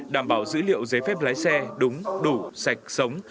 đảm bảo dữ liệu giấy phép lái xe đúng đủ sạch sống